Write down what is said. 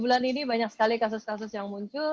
bulan ini banyak sekali kasus kasus yang muncul